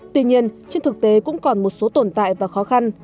tuy nhiên trên thực tế cũng còn một số tồn tại và khó khăn